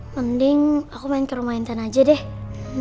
mending aku main ke rumah intan aja deh